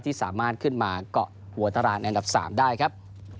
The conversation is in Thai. ที่สามารถขึ้นมาเกาะหัวตารางอันดับ๓ได้ครับ